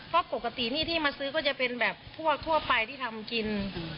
ก็ปกติหนี้ที่มาซื้อก็จะเป็นแบบทั่วไปที่ทำกิน